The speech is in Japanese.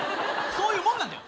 そういうもんなんだよ！